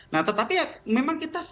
nah tetapi ya memang kita